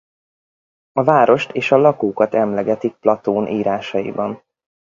A várost és a lakókat emlegetik Platón írásaiban.